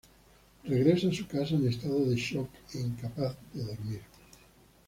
Regresa a su casa en estado de "shock" e incapaz de dormir.